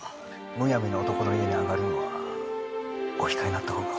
むやみに男の家に上がるのはお控えになったほうが。